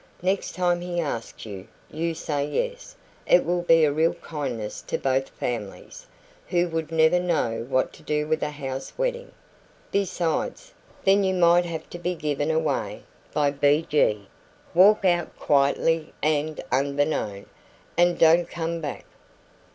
Next time he asks you, you say yes. It will be a real kindness to both families, who would never know what to do with a house wedding. Besides, then you might have to be given away by B. G. Walk out quietly and unbeknown, and don't come back.